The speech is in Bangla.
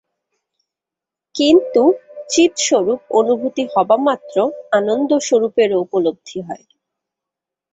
কিন্তু চিৎস্বরূপ অনুভূতি হবামাত্র আনন্দস্বরূপেরও উপলব্ধি হয়।